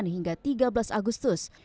delapan hingga tiga belas agustus